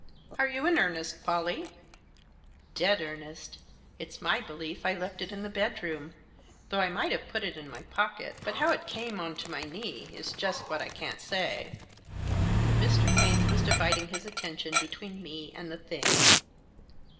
" Are you in earnest, Pollie ?"" Dead earnest It's my belief I left it in the bed room, though I might have put it in my pocket, but how it came on to my knee is just what I can't say." Mr. Paine was dividing his attention between me and the thing.